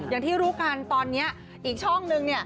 อย่างที่รู้กันตอนนี้อีกช่องนึง